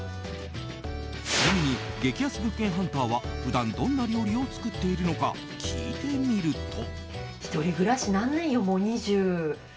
ちなみに激安物件ハンターは普段どんな料理を作っているのか聞いてみると。